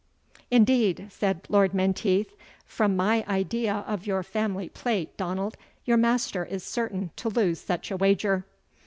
"Indeed," said Lord Menteith, "from my idea of your family plate, Donald, your master is certain to lose such a wager."